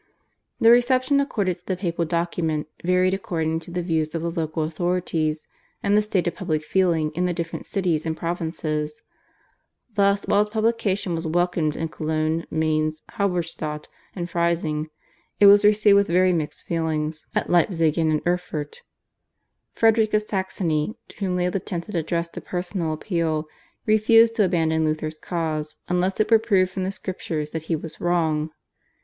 The reception accorded to the papal document varied according to the views of the local authorities and the state of public feeling in the different cities and provinces. Thus, while its publication was welcomed in Cologne, Mainz, Halberstadt, and Freising, it was received with very mixed feelings at Leipzig and at Erfurt. Frederick of Saxony, to whom Leo X. had addressed a personal appeal, refused to abandon Luther's cause unless it were proved from the Scriptures that he was wrong.